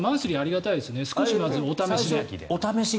少しまずお試しで。